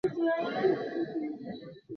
পাখনা হালকা কালচে লাল।